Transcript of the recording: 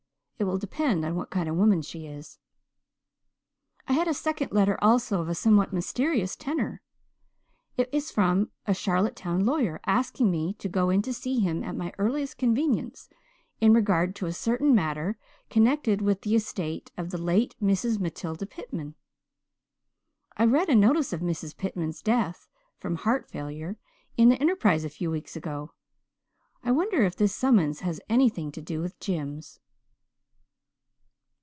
It will depend on what kind of a woman she is. I had a second letter also of a somewhat mysterious tenor. It is from a Charlottetown lawyer, asking me to go in to see him at my earliest convenience in regard to a certain matter connected with the estate of the 'late Mrs. Matilda Pitman.' "I read a notice of Mrs. Pitman's death from heart failure in the Enterprise a few weeks ago. I wonder if this summons has anything to do with Jims."